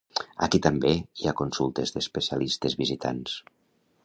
Aquí també hi ha consultes d'especialistes visitants.